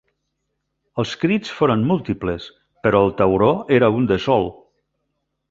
Els crits foren múltiples, però el tauró era un de sol.